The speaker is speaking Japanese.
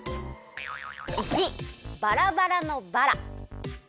①バラバラのバラ。